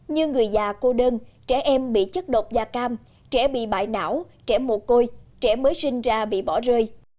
như người già cô đơn trẻ em bị chất độc da cam trẻ bị bại não trẻ mồ côi trẻ mới sinh ra bị bỏ rơi